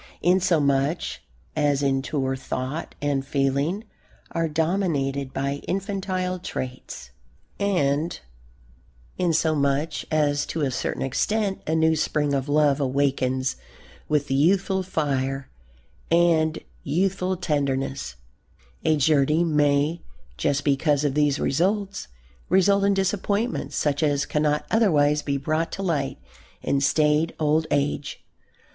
Inasmuch as en tour thought and feeling are dominated by infantile traits, and inasmuch as to a certain extent a new spring of love awakens with the youthful fire and youthful tenderness, a journey may just because of these results result in disappointments such as cannot otherwise be brought to light in staid old age.